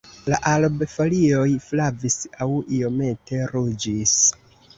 La arbfolioj flavis aŭ iomete ruĝis.